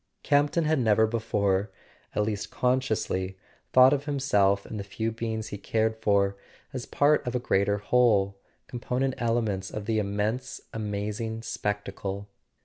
Campton had never before, at least consciously, thought of himself and the few beings he cared for as part of a greater whole, component elements of the immense amazing spectacle.